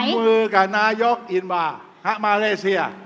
ร่วมมือกับนายกอินวามาเลเซีย